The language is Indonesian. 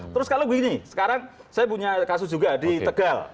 terus kalau begini sekarang saya punya kasus juga di tegal